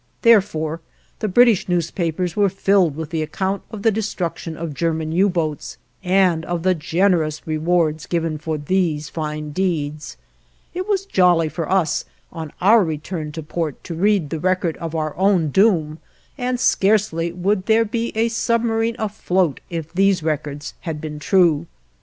Therefore, the British newspapers were filled with the account of the destruction of German U boats, and of the generous rewards given for these fine deeds. It was jolly for us on our return to port to read the record of our own doom, and scarcely would there be a submarine afloat if these records had been true.